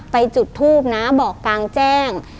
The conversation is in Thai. จุดทูบนะบอกกลางแจ้ง